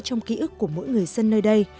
trong ký ức của mỗi người dân nơi đây